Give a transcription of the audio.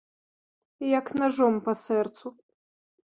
Як нажом па сэрцу.